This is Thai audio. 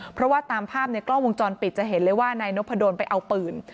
เพราะว่าตามภาพในกล้องวงจรปิดจะเห็นเลยว่านายนพดลไปเอาปืน